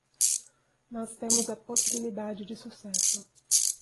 Nós temos a possibilidade de sucesso